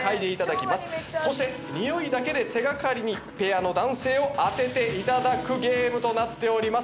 そしてにおいだけで手がかりにペアの男性を当てていただくゲームとなっております。